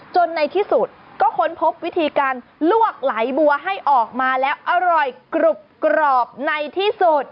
ในที่สุดก็ค้นพบวิธีการลวกไหลบัวให้ออกมาแล้วอร่อยกรุบกรอบในที่สุด